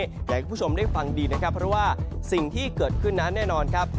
อยากให้คุณผู้ชมได้ฟังดีนะครับเพราะว่าสิ่งที่เกิดขึ้นนั้นแน่นอนครับ